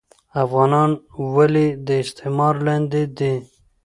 افغانان ولي د استعمار لاندي دي